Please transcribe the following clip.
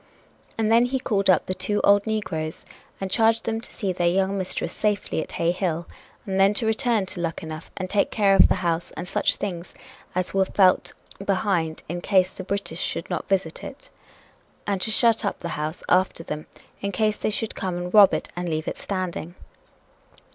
And then he called up the two old negroes and charged them to see their young mistress safely at Hay Hill and then to return to Luckenough and take care of the house and such things as were felt behind in case the British should not visit it, and to shut up the house after them in case they should come and rob it and leave it standing.